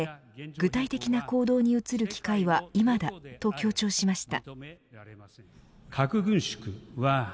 具体的な行動に移る機会は今だと強調しました。